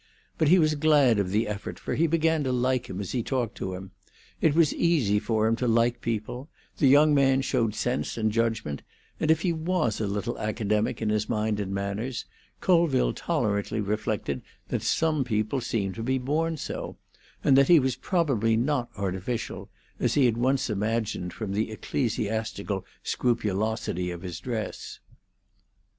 But he was glad of the effort, for he began to like him as he talked to him; it was easy for him to like people; the young man showed sense and judgment, and if he was a little academic in his mind and manners, Colville tolerantly reflected that some people seemed to be born so, and that he was probably not artificial, as he had once imagined from the ecclesiastical scrupulosity of his dress.